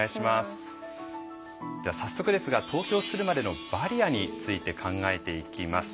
では早速ですが投票するまでのバリアについて考えていきます。